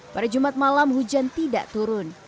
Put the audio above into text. pada jumat malam hujan tidak turun